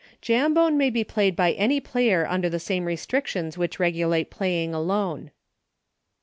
Jambone may be played by any player under the same restrictions which regulate Playing Alone.